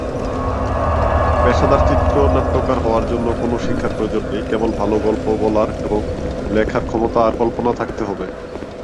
পেশাদার চিত্রনাট্যকার হওয়ার জন্য কোনও শিক্ষার প্রয়োজন নেই, কেবল ভাল গল্প বলার এবং লেখার ক্ষমতা আর কল্পনা থাকতে হবে।